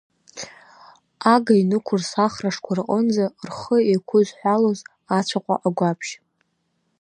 Ага инықәырс ахрашқәа рҟынӡа, рхы еиқәызҳәалоз ацәаҟәа агәаԥшь.